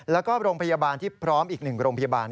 แล้วก็โรงพยาบาลที่พร้อมอีก๑โรงพยาบาล